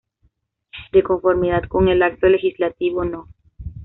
De conformidad con el Acto Legislativo No.